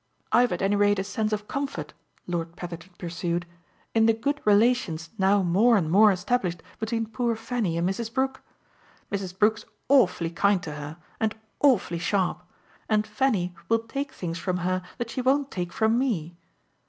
I've at any rate a sense of comfort," Lord Petherton pursued, "in the good relations now more and more established between poor Fanny and Mrs. Brook. Mrs. Brook's awfully kind to her and awfully sharp, and Fanny will take things from her that she won't take from me.